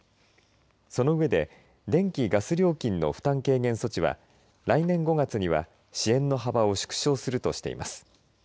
その上で電気、ガス料金の負担軽減措置は来年５月には支援の幅を縮小するとしています。